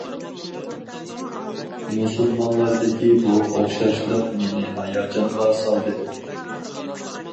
مۇسۇلمانلاردىكى بۇ ئوخشاشلىق مېنى ھاياجانغا سالدى.